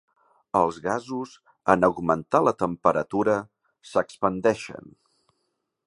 Els gasos, en augmentar la temperatura, s'expandeixen.